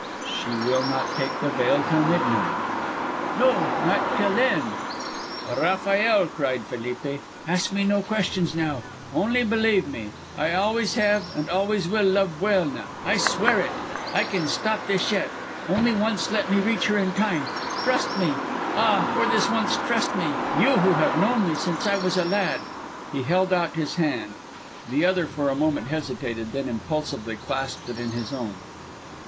"She will not take the veil till midnight." "No, not till then." "Rafael," cried Felipe, "ask me no questions now. Only believe me. I always have and always will love Buelna. I swear it. I can stop this yet; only once let me reach her in time. Trust me. Ah, for this once trust me, you who have known me since I was a lad." He held out his hand. The other for a moment hesitated, then impulsively clasped it in his own.